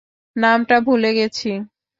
নামটা ভুলে গেছি!